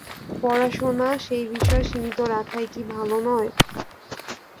পড়াশোনা সেই বিষয়ে সীমিত রাখাই কি ভালো নয়?